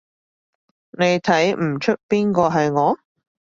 你睇唔岀邊個係我？